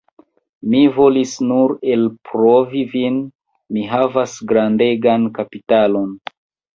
Mi volis nur elprovi vin, mi havas grandegan kapitalon!